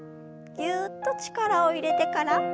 ぎゅっと力を入れてから抜きます。